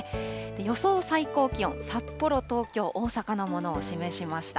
予想最高気温、札幌、東京、大阪のものを示しました。